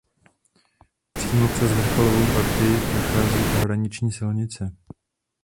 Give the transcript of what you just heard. Přímo přes vrcholovou partii prochází pohraniční silnice.